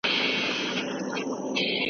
تاریخي حقایق باید له اسنادو سره وړاندې سي.